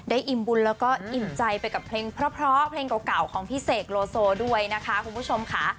อิ่มบุญแล้วก็อิ่มใจไปกับเพลงเพราะเพลงเก่าของพี่เสกโลโซด้วยนะคะคุณผู้ชมค่ะ